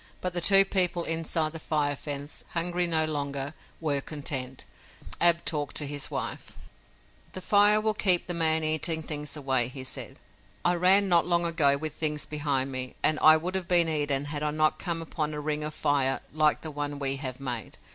But the two people inside the fire fence, hungry no longer, were content. Ab talked to his wife: "The fire will keep the man eating things away," he said. "I ran not long ago with things behind me, and I would have been eaten had I not come upon a ring of fire like the one we have made.